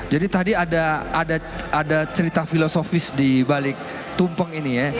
jadi tadi ada cerita filosofis di balik tumpeng ini ya